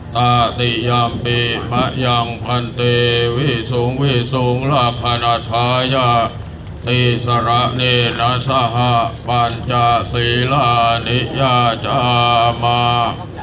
ภูติยัมปิมะยังพันติวิสุงวิสุงละขณะท้ายาติสระเนนัสสาหะปัญจาศรีละนิยาจามะ